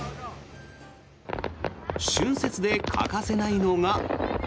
春節で欠かせないのが。